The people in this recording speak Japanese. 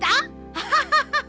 アハハハハ！